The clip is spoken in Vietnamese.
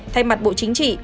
thay mặt bộ chính trị